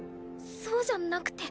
そうじゃなくて。